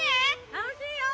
楽しいよ！